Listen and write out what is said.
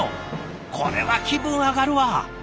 これは気分上がるわ！